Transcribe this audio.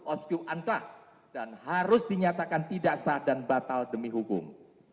oscue antrak dan harus dinyatakan tidak sah dan batal demi hukum